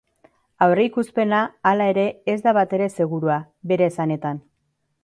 Aurrikuspena, hala ere, ez da batere segurua, bere esanetan.